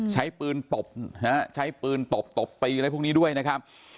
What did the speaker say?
ใช้ปืนตบนะฮะใช้ปืนตบตบตีอะไรพวกนี้ด้วยนะครับ